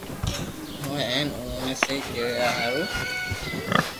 ھوئي ھين اووہ ني سھي ڪريا ھارو